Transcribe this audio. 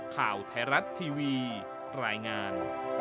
ข่าวไทยรัฐทีวีรายงาน